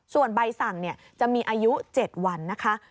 ส่วนใบสั่งจะมีอายุ๗วันนะคะ